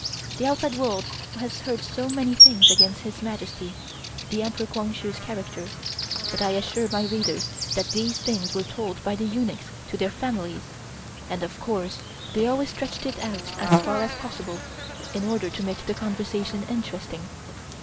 The outside world has heard so many things against His Majesty, the Emperor Kwang Hsu's character, but I assure my readers that these things were told by the eunuchs to their families, and of course they always stretched it out as far as possible in order to make the conversation interesting.